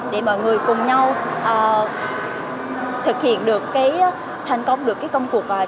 để mọi người cùng nhau thực hiện được thành công được công cuộc